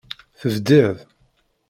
Tebdid.